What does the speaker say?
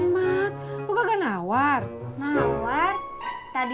tadi belanja apaan aja tadi